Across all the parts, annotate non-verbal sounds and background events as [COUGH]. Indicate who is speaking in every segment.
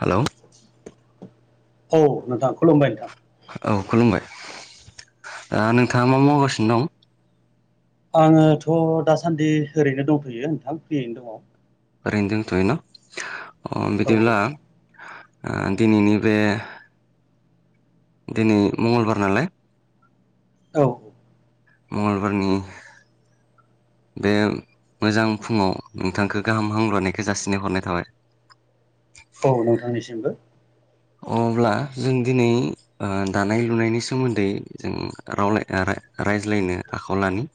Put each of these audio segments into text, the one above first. Speaker 1: Hello
Speaker 2: औ नोंथा खुलुमबाय नोंथां
Speaker 1: औ खुलुमबाय दा नोंथाङा मा मावगासिनो दं
Speaker 2: आङोथ' दासान्दि ओरैनो दंथ'यो नोंथां फ्रियैनो दङ
Speaker 1: ओरैनो दंथ'यो अ
Speaker 2: औ
Speaker 1: बिदिब्ला ओ दिनैनि बे दिनै मंगलबार नालाय
Speaker 2: औ औ
Speaker 1: मंगलबारनि बे मोजां फुङाव नोंथांखौ गाहाम हामग्रोननायखौ जासिनाय हरनाय थाबाय [INAUDIBLE]
Speaker 2: औ नोंथांनिसिमबो
Speaker 1: अब्ला जों दिनै दानाय लुनायनि सोमोन्दै जों रावाय रायज्लायनो आखायाव लानि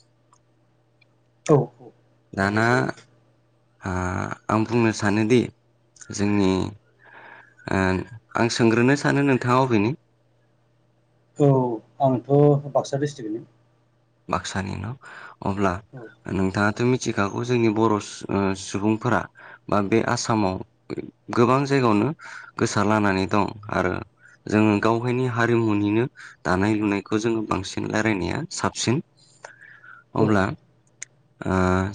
Speaker 2: औ औ
Speaker 1: दाना
Speaker 2: राय्लायजायो
Speaker 1: आं बुंनो सानोदि जोंनि आं सोंग्रोनो सानो नोंथाङा अबेनि
Speaker 2: औ आंथ' बाक्सा डिस्ट्रिक्टनि
Speaker 1: बाक्सानि न' अब्ला
Speaker 2: औ
Speaker 1: नोंथाङा थो मिथिखागौ जोंनि बर सुबुंफोरा बा बे आसामाव गोबां जायगायाव जायगायावनो गोसार लानानै दं आरो जोङो गावहायनि हारिमुनिनो दानाय लुनायखौ जोङो बांसिन रायलायनाया साबसिन साबसिन
Speaker 2: औ
Speaker 1: अब्ला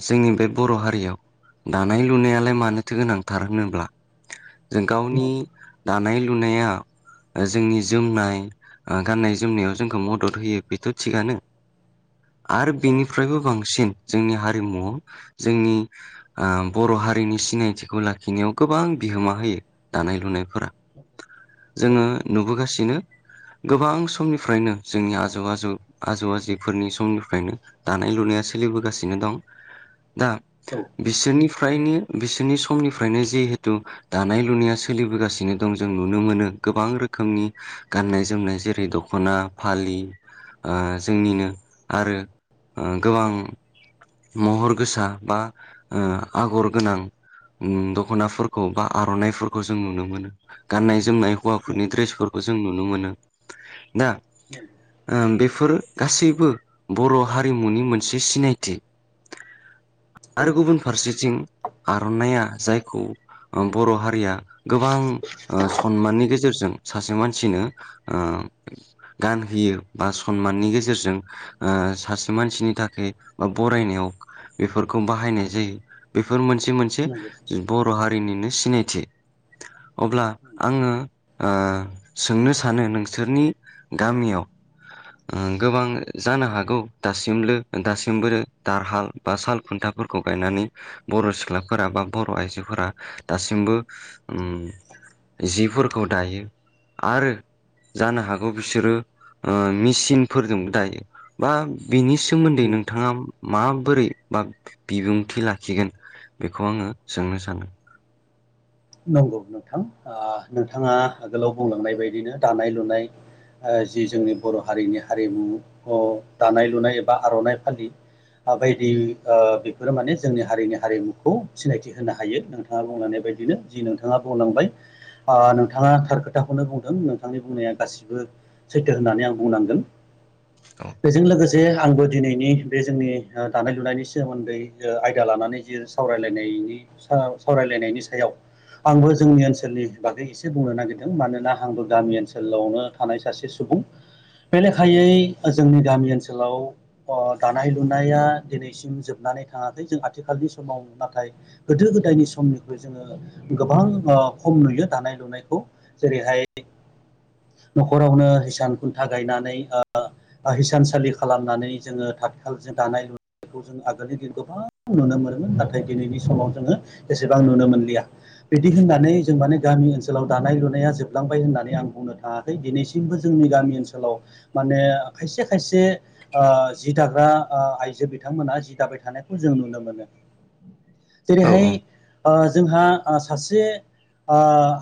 Speaker 1: जोंनि बे बर' हारियाव दानाय लुनायालाय मानोथो गोनांथार होनोब्ला जों
Speaker 2: औ
Speaker 1: गावनि दानाय लुनाया जोंनि जोमनाय गाननाय जोमनायाव जोंखौ मदद होयो बेथ' थिगानो आरो
Speaker 2: औ
Speaker 1: बिनिफ्रायबो बांसिन। जोंनि हारिमुआव जोंनि बर' हारिनि सिनायथिखौ लाखिनायाव गोबां। बिहोमा होयो दानाय लुनायफोरा जोङो नुबोगासिनो। गोबां समनिफ्रायनो जोंनि आजौ आजौ आजौ आजि फोरनि समनिफ्रायनो दानाय लुनाया सोलिबोगासिनो दं। दा बिसोरनिफ्रायनो बिसोरनि समनिफ्रायनो जिहेथु दानाय लुनाया सोरो। सोलिबोगासिनो दं जों नुनो मोनो गोबां रोखोमनि गाननाय जोमनाय जेरै दख'ना फालि। जोंनिनो आरो गोबां। महर गोसा बा आगर गोनां। दख'नाफोरखौ बा आर'नाइफोरखौ जों नुनो मोनो गाननाय जोमनाय हौवाफोरनि द्रेसफोरखौ। जों नुनो बेफोर गासै। बर' हारिमुनि मोनसे सिनायथि
Speaker 2: औ
Speaker 1: आरो गुबुन फारसे जों आर'नाइआ जायखौ बर' हारिया गोबां सनमाननि गेजेरजों सासे मानसिनो ओ गान होयो बा सनमाननि गेजेरजों सासे मानसिनि थाखाय बा बरायनायाव बेफोरखौ बाहायनाय जायो बेफोर मोनसे मोनसे
Speaker 2: नंगौ नंगौ औ नंगौ
Speaker 1: बर' हारिनिनो। सिनायथि अब्ला
Speaker 2: नंगौ
Speaker 1: आङो सोंनो सानो नोंसोरनि गामियाव। गोबां। जानो हागौ दासिम दासिमबो टाट हाल बा साल खुन्थाफोरखौ गायनानै। बर' सिख्लाफोरा बा बर' आइजोफोरा दासिमबो
Speaker 2: औ
Speaker 1: जिफोर खौ दायो आरो। जानो हागौ बिसोरो मेचिनफोरजोंबो दायो। बा बिनि सोमोन्दै
Speaker 2: नंगौ
Speaker 1: नोंथाङा मा बोरै बा बिबुंथि लाखिगोन बेखौ आङो सोंनो सानो।
Speaker 2: नंगौ नोंथां नोंथाङा आगोलाव बुंलांनाय बायदिनो दानाय लुनाय। जि जोंनि बर' हारिनि हारिमु दानाय लुनाय एबा आर'नाइ फालि बायदि बेफोरो माने जोंनि हारिनि हारिमुखौ सिनायथि होनो हायो नोंथाङा बुंनानै बायदिनो। जि नोंथाङा बुंलांबाय नोंथाङा थार खोथाखौनो बुंदों नोंथांनि बुंनाया गासिबो। सैथो होननानै आं बुंनांगोन
Speaker 1: औ
Speaker 2: बेजों लोगोसे आंबो। दिनैनि बे जोंनि दानाय लुनायनि सोमोन्दै आयदा लानानै जिे सावरायलायनायनि। सावरायलायनायनि सायाव। आंबो जोंनि ओनसोलनि बागै एसे बुंनो नागिरदों मानोना आंबो गामि ओनसोलावनो थानाय सासे। सुबुं बे लेखायै जोंनि गामि ओनसोलाव दानाय लुनाया दिनैसिम जोबनो। नानै थाङाखै जों आथिखालनि समाव नाथाय गोदो गोदायनि समनिख्रुइ जोङो। गोबां खम नुयो दानाय लुनायखौ जेरैहाय न'खरावनो हिसान खुन्था गायनानै। हिसानसालि खालामनानै जोङो थथिखालजों दानाय लुयो। बेखौ जों आगोलनि दिन गोबां नुनो मोनोमोन नाथाय दिनैनि समाव जोङो जेसेबां नुनो मोनलिया। बिदि होननानै जों माने गामि ओनसोलाव दानाय लुनाया जोबलांबाय होननानै आं बुंनो थाङाखै दिनैसिम। जोंनि गामि ओनसोलाव माने खायसे खायसे जि दाग्रा आइजो। बिथांमोना जि दाबाय थानायखौ जों नुनो मोनो।
Speaker 1: [INAUDIBLE]
Speaker 2: जेरैहाय जोंहा सासे ओ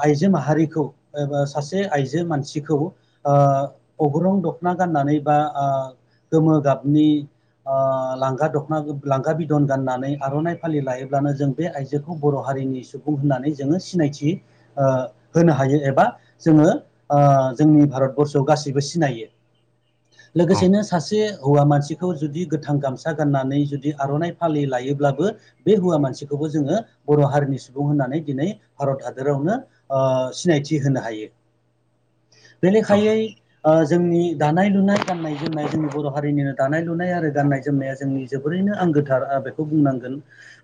Speaker 2: आइजो माहारिखौ एबा सासे आइजो मानसिखौ ओ दफां दख'ना गाननानै बा गोमो गाबनि। लांगा दख'ना लांगा बिदन गाननानै आर'नाइ फालि लायोब्लानो जों बे आइजोखौ बर' हारि। हारिनि सुबुं होननानै जोङो सिनायथि होनो हायो एबा जोङो जोंनि भारत। भारतबसआव गाससिबो सिनायो
Speaker 1: औ
Speaker 2: लोगोसेनो सासे। हौवा मानसिखौ जुदि गोथां गामसा गाननानै जुदि आर'नाइ फालि लायोब्लाबो बे हौवा मानसिखौ। जोङो बर' हारिनि सुबुं होननानै दिनै भारत हादोरावनो सिनायथि होनो हायो। बेनिखायै जोंनि दानाय लुनाय गाननाय जोमनाय जोंनि बर' हारिनिनो दानाय लुनाय आरो गाननाय जोमनाया जोंनि जोबोरैनो आं। थ बेखौ बुंनांगोन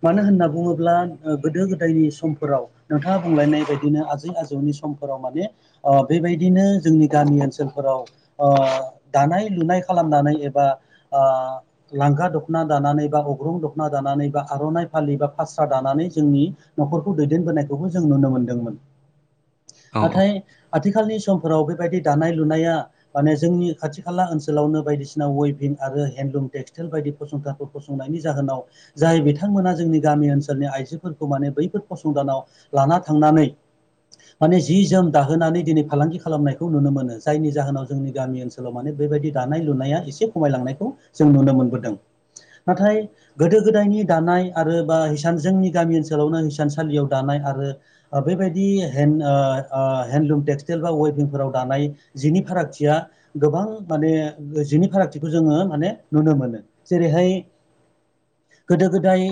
Speaker 2: मानो होनना बुङोब्ला गोदो गो गोदनि समफोराव नोंथाङा बुंलायनाय बायदिनो आजै आजौनि समफोराव माने बेबायदिनो जोंनि गामि ओनसोलफोराव दानाय लुनाय खालामनानै एबा ओ लांगा दख'ना दानानै बा अग्रं दख'ना दानानै बा आर'नाइ फालि बा फास्रा दानानै जोंनि। न'खरखौ दैदेनबोनायखौबो जों नुनो मोनदोंमोन
Speaker 1: औ
Speaker 2: नाथाय आथिखालनि सम फोराव बेबायदि दानाय लुनाया माने जोंनि खाथि खाला ओनसोलावनो बायदिसिना वेभिं आरो हेन्दलुम। टेक्सटाइल बायदि फसंथानफोर फसंनायनि जाहोनाव जाय बिथांमोना जोंनि गामि ओनसोलनि आइजोफोरखौ माने बै द फसंथानाव लाना थांनानै माने जि जोम दाहोनानै दिनै फालांगि खालामनायखौ नुनो मोनो जायनि जाहोनाव जोंनि गामि ओनसोलाव माने। बेबायदि दानाय लुनाया एसे खमायलांनायखौ जों नुनो मोनबोदों। नाथाय गोदो गोदायनि दानाय आरो बा हसान जोंनि गामि ओनसोलावनो थानसालियाव दानाय आरो बेबायदि हेन्दन्दलुम टेक्सटाइल बा वेबिंफोराव दानाय। लानाय जिनि फारागथिया गोबां माने जिनि फारागथिखौ जोङो माने नुनो मोनो। जेरैहाय
Speaker 1: [INAUDIBLE]
Speaker 2: गोदो गोदाय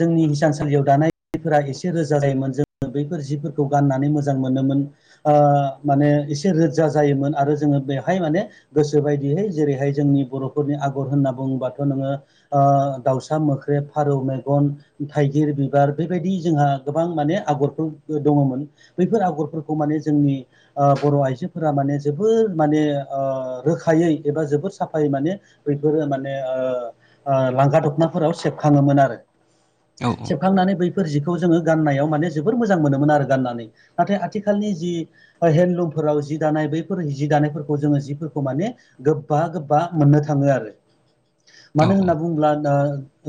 Speaker 2: जोंनि हिसानसालियाव दानायफोरा एसे रोजा जायोमोन जों। बैफोर जिफोरखौ गाननानै मोजां मोनोमोन माने एसे ओ रोजा जायोमोन आरो जोङो बेहाय माने गोसोोबायदियै जेरैहाय जोंनि बर'फोरनि आगर होनना बुङोबाथ' नोङो। दाउसा मोख्रे फारौ मेगन थाइगिर बिबार बे बायदि जोंहा गोबां माने आगरफोर दङमोन बैफोर आगरफोरखौ माने जोंनि बर' बर' आइजोफोरा माने जोबोर माने रोखायै एबा जोबोर साफायै माने बैफोरो। लांगा दखाना फोराव सेबखांडोमोन आरो।
Speaker 1: औ
Speaker 2: खौ जोङो गाननायाव माने जोबोर मोजां मोनोमोन आरो गाननानै नाथाय आथिखालनि जि हेन्दन्दलुमफोर। जि दानाय बैफोर जि दानायफोरखौ जोङो जिफोरखौ माने गोबा गोबा मोननो थाङो आरो।
Speaker 1: [INAUDIBLE] औ
Speaker 2: मानो होनना बुङोब्ला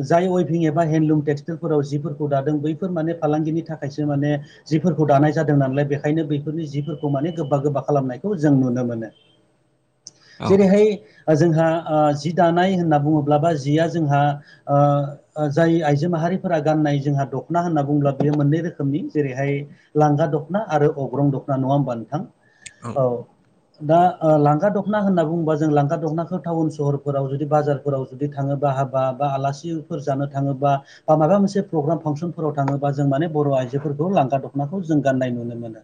Speaker 2: जाय अइभिं एबा हेन्दलुम टेक्सटाइलफोराव जिफोरखौ दा बैफोर माने फालांगिनि थाखायसो माने जिफोरखौ दानाय जादों नालाय बेखायनो बैफोरनि जिफोरखौ माने गो गोबा गोबा खालामनायखौ जों नुनो मोनो।
Speaker 1: [INAUDIBLE]
Speaker 2: जेरैहाय जोंहा जि दानाय होनना बुङोब्ला बा जिया जोंहा जाय आइजो माहारिफोरा गाननाय जोंहा। दख'ना होनना बुंब्ला बियो मोननै रोखोमनि जेरैहाय लांगा दख'ना आरो अग्रं दख'ना नङा होमबा नोंथां? औ दा लांगा दखना दखना होनना बुङोबा जों लांगा दख'नाखौ टाउन सहरफोराव जुदि बाजारफोराव जुदि थाङोबा हाबा बा आलासि जानो थाङोबा बा माबा मोनसे परग्राम फांसनफोराव थाङोबा जों माने बर' आइजोफोरखौ लांगा दख'नाखौ जों गाननाय नुनो मोनो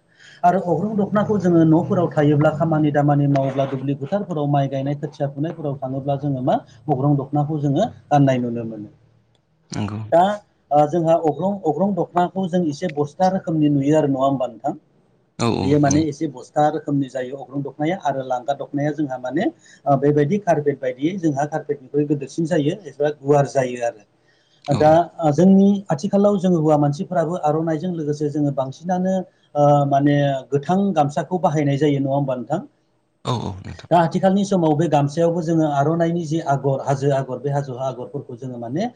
Speaker 2: आरो अग्रं दखना खौ जोङो न'फोराव थायोब्ला खामानि दामानि मावोब्ला दुब्लि फोथारफोराव माइ गायनाय खोथिया फुनायफोराव थाङोब्ला जोङो मा अग्रं दख'नाखौ जोङो गाननाय नुनो मोनो।
Speaker 1: नंगौ।
Speaker 2: दा जोंहा अग्रं अग्रं दख'नाखौ जों एसे बस्था रोखोमनि नुयो आरो नङा होमबा नोंथां।
Speaker 1: औ
Speaker 2: बेयो माने एसे बुस्थु रोखोमनि जायो अग्रं दखनाया आरो लांगा दखनाया जोंहा माने बेबायदि कारपेट बायदियै जोंहा कार्पेट निख्रुइ गोदेरसिन जायो एबा गुवार जायो
Speaker 1: औ
Speaker 2: आरो दा जोंनि। आथिखालाव जोङो हौवा मानसिफोराबो आर'नाइजों लोगोसे जोङो बांसिनानो माने गोथां गामसाखौ बाहायनाय जायो नङा होमबा नोंथां
Speaker 1: औ औ नोंथां
Speaker 2: दा आथिखालनि समाव बे गामसेयावबो जोङो आर'नाइनि जि आगर हाजो आगर बे हाजो आगरफोरखौ जोङो माने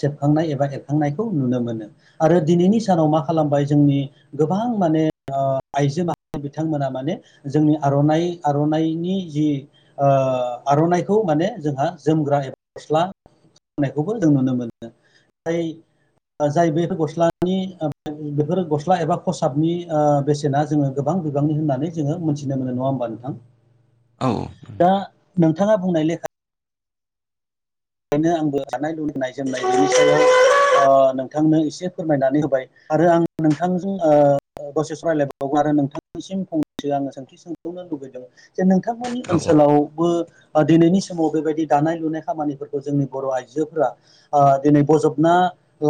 Speaker 2: सेबखांनाय एबा एरखांनाय खौ नुनो मोनो आरो दिनैनि सानाव मा खालामबाय जोंनि गोबां माने आइजो माहारि बिथांमोना माने जोंनि आर'नाइ आर'नाइनि जि आर'नाइखौ माने जोंहा जोमग्रा एबा गस्ला खौबो जों नुनो मोनो जाय जाय बेफोर गस्लानि बेफोर गस्ला एबा फसाबनि बेसेना जोङो गोबां गोबांनि होननानै जोङो मोनथिनो मोन नङा होमबा नोंथां
Speaker 1: औ
Speaker 2: दा नोंथाङा बुंनाय लेखा बेखायनो आंबो जानाय लनाय जोमनाय बिनि सायाव नोंथांनो एसे फोरमायनानै होबाय आरो आं नोंथांजों दसे सावरायलायबावगोन आरो नोंथांनिसिम फंनैसो आङो सोंथि सोंबावगोन जे नोंथांमोननि
Speaker 1: औ औ
Speaker 2: ओनसोलावबो दिनैनि समाव बेबायदि दानाय लुनाय खामानिफोरखौ जोंनि बर' आइजोफोरा दिनै बजबना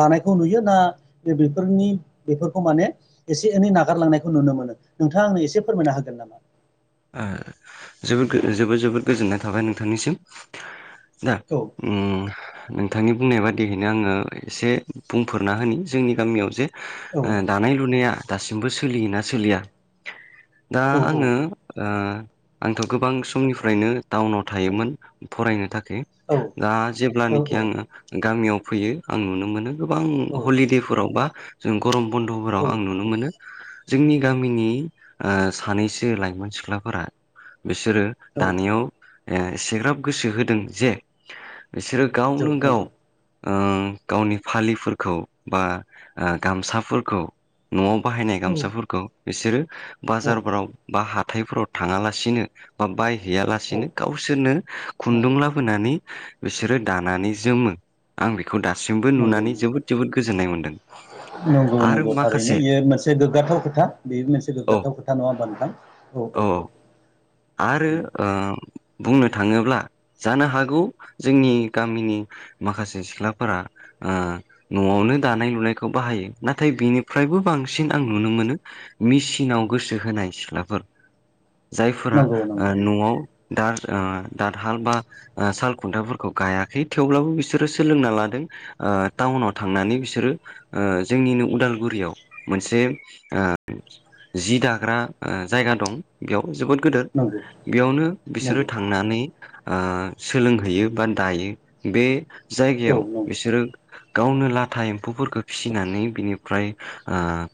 Speaker 2: लानायखौ नुयो ना बिफोरनि बेफोरखौ माने एसे एनै नागारलांनायखौ नुनो मोनो नोंथाङा आंनो एसे फोरमायना होगोन नामा
Speaker 1: आ जोबोद जोबोद जबोद गोजोननाय थाबाय नोंथांनिसिम दा
Speaker 2: औ
Speaker 1: उम नोंथांनि बुंनाय बादियैनो आङो एसे बुंफोरना होनि जोंनि गामियाव जे
Speaker 2: औ
Speaker 1: दानाय लुनाया दासिमबो सोलियोना सोलिया दा आङो
Speaker 2: औ
Speaker 1: आंथ' गोबां समनिफ्रायनो टाउनाव थायोमोन फरायनो थाखाय
Speaker 2: औ
Speaker 1: दा
Speaker 2: औ
Speaker 1: जेब्लानाखि आङो गामियाव फैयो आं नुनो मोनो गोबां
Speaker 2: औ
Speaker 1: हलिदेफोराव बा जों गरम बन्द'फोराव आं
Speaker 2: औ
Speaker 1: नुनो मोनो जोंनि गामिनि सानैसो लाइमोन सिख्लाफोरा बिसोरो
Speaker 2: औ
Speaker 1: दानायाव एसेग्राब गोसो होदों जे बिसोरो
Speaker 2: जौ
Speaker 1: गावनो गाव
Speaker 2: नंगौ
Speaker 1: ओ गावनि फालिफोरखौ बा गामसाफोरखौ न'वाव बाहायनाय
Speaker 2: औ
Speaker 1: गामसाफोरखौ बिसोरो
Speaker 2: औ
Speaker 1: बाजारफोराव बा हा हाथायफोराव थाङालासिनो बा
Speaker 2: औ
Speaker 1: बायहैयालासिनो गावसोरनो खुन्दुं
Speaker 2: नंगौ
Speaker 1: लाबोनानै बिसोरो दानानै जोमो आं बेखौ बेखौ दासिमबो
Speaker 2: नंगौ
Speaker 1: नुनानै
Speaker 2: नंगौ
Speaker 1: जोबोद जोबोद गोजोननाय मोन्दों
Speaker 2: नंगौ नंगौ थारैनो बेयो मोनसे गोग्गाथाव खोथा बे मोनसे
Speaker 1: औ
Speaker 2: गोग्गाथाव खोथा नङा होमबा नोंथां औ औ
Speaker 1: आरो ओ बुंनो थाङोब्ला जानो हागौ जोंनि गामिनि माखासे सिख्लाफोरा ओ न'वावनो दानाय लुनायखौ बाहायो नाथाय बिनिफ्रायबो बांसिन आं नुनो मोनो मिसिनाव गोसो होनाय सिख्लाफोर जा फोर
Speaker 2: औ
Speaker 1: न'वाव दा दाथ हाल बा साल खुन्थाफोरखौ गायाखै थेवब्लाबो बिसोरो सोलोंना लादों ओ टाउनाव थांनानै बिसोरो जोंनिनो उदालगुरियाव मोनसे जि दाग्रा जायगा दं बेयाव जोबोद गोदोर बेयावनो बिसोरो थांनानै ओ सोलोंहैयो बा दायो बे जायगायाव बिसोरो गावनो लाथा एम्फौफोरखौ फिसिनानै बिनिफ्राय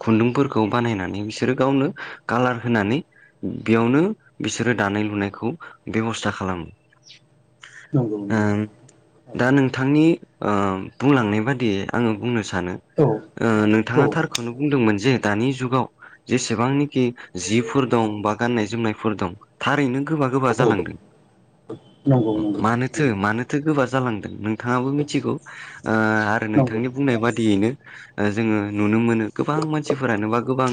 Speaker 1: खुन्दुंफोरखौ बानायनानै बिसोरो गावनो कालार होनानै बेयावनो बिसोरो दानाय लुनायखौ बेब'स्था खालामो दा नोंथांनि ओ बुंलांनाय बादियै आङो बुंनो सानो नोंथाङा थारखौनो बुंदोंमोन जे दानि जुगाव जेसेबांनाखि जिफोर दं बा गान्नाय जोमनायफोर दं थारैनो गोबा गोबा जालांदों
Speaker 2: नंगौ नंगौ
Speaker 1: मानोथो मानोथो गोबा जालांदों नोंथाङाबो मिथिगौ ओ आरो
Speaker 2: नंगौ औ
Speaker 1: नोंथांनि बुंनाय बादियैनो जोङो नुनो मोनो गोबां मानसिफोरानो बा गोबां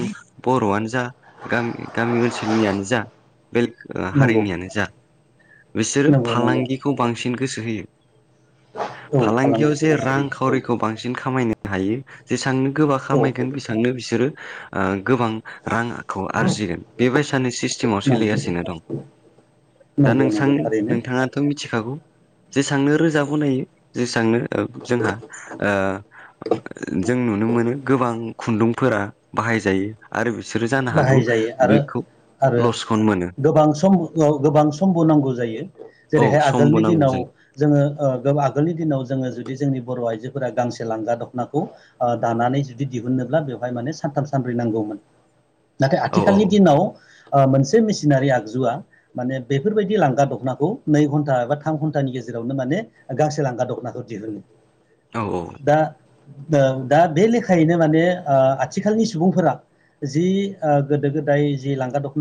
Speaker 1: बर'वानो जा गामि गामि ओनसोलनियानो जा बेलेग
Speaker 2: नंगौ
Speaker 1: हारिनियानो जा बिसोरो
Speaker 2: नंगौ नंगौ
Speaker 1: फालांगिखौ बांसिन गोसो होयो
Speaker 2: औ औ नंगौ औ
Speaker 1: फालांगियाव
Speaker 2: फालांगिखौ
Speaker 1: जे
Speaker 2: गोसो
Speaker 1: रां
Speaker 2: होयो
Speaker 1: खावरिखौ बांसिन खामायनो हायो जेसेबांनो गोबां
Speaker 2: औ औ
Speaker 1: खामायगोन बेसबांनो बिसोरो गोबां रांखौ आरजिगोन बेबायसानि सिस्टेमाव
Speaker 2: नंगौ
Speaker 1: सोलिगासिनो दं दा
Speaker 2: नंगौ
Speaker 1: नोंथां
Speaker 2: नंगौ थारैनो
Speaker 1: नोंथाङाथ' मिथिखागौ जेसेबांनो रोजा बनायो जेसेबांनो जोंहा जों नुनो मोनो गोबां खुन्दुंफोरा बाहायजायो आरो बिसोरो जानो हागौ
Speaker 2: बाहायजायो आरो
Speaker 1: बेखौ
Speaker 2: आरो
Speaker 1: लस
Speaker 2: गोबां सम गोबां समबो नांगौ जायो
Speaker 1: औ
Speaker 2: जेरैहाय
Speaker 1: समबो
Speaker 2: आगोलनि
Speaker 1: नांगौ
Speaker 2: दिनाव
Speaker 1: जायो
Speaker 2: जोङो आगोलनि दिनाव जोङो जुदि जोंनि बर' आइजो फोर गांसे लांगा दख'नाखौ दानानै जुदि दिहुननोब्ला बेवहाय माने सानथाम सानब्रै नांगौमोन नाथाय
Speaker 1: औ
Speaker 2: आथिखालनि दिनाव मोनसे मेसिनारि आगजुवा माने बेफोरबायदि लांगा दख'नाखौ नै घन्टा एबा थाम घन्टानि गेजेराव गेजेरावनो माने गांसे लांगा दख'नाखौ दिहुनो
Speaker 1: औ औ
Speaker 2: दा दा बे लेखायैनो माने ओ आथिखालनि सुबुंफोरा जि ओ गोदो गोदाय जि लांगा दख'ना